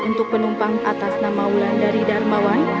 untuk penumpang atas nama ulan dari darmawan